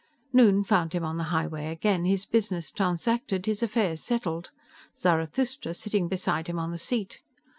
Noon found him on the highway again, his business transacted, his affairs settled, Zarathustra sitting beside him on the seat.